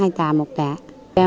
còn cái bữa thì một tấn